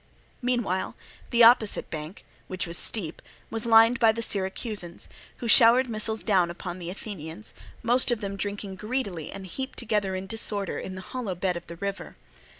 Meanwhile the opposite bank, which was steep, was lined by the Syracusans, who showered missiles down upon the Athenians, most of them drinking greedily and heaped together in disorder in the hollow bed of the river.